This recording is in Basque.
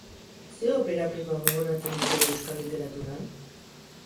Ze opera prima gogoratzen ditugu euskal literaturan?